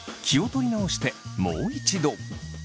気を取り直してもう一度。